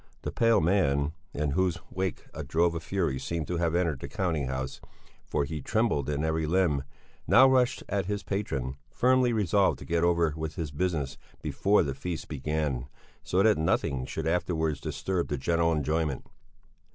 The pale man, in whose wake a drove of furies seemed to have entered the counting house for he trembled in every limb now rushed at his patron, firmly resolved to get over with his business before the feast began, so that nothing should afterwards disturb the general enjoyment.